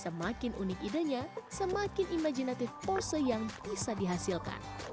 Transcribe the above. semakin unik idenya semakin imajinatif pose yang bisa dihasilkan